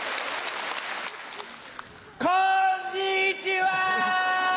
こんにちは！